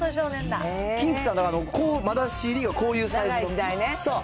キンキさん、まだＣＤがこういうサイズの。